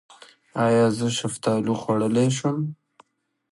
ایا زه شفتالو خوړلی شم؟